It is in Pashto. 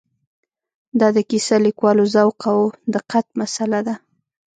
دا د کیسه لیکوالو ذوق او دقت مساله ده.